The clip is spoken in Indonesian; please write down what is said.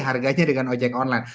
harganya dengan ojek online